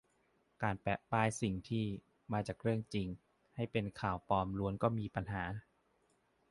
การแปะป้ายสิ่งที่"มาจากเรื่องจริง" ให้เป็นข่าวปลอมล้วนก็มีปัญหา